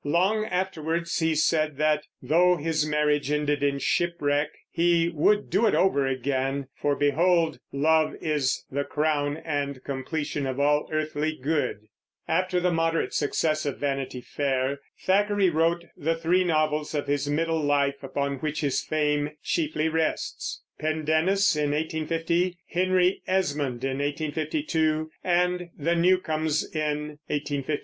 Long afterwards he said that, though his marriage ended in shipwreck, he "would do it over again; for behold Love is the crown and completion of all earthly good." After the moderate success of Vanity Fair, Thackeray wrote the three novels of his middle life upon which his fame chiefly rests, Pendennis in 1850, Henry Esmond in 1852, and The Newcomes in 1855.